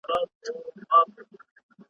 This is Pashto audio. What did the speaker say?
شروع کَړې په خطا، انجام خراب